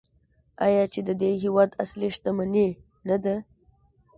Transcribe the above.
آیا چې د دې هیواد اصلي شتمني نه ده؟